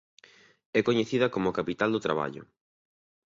É coñecida como "capital do traballo".